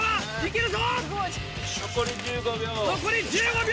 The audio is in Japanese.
残り１５秒。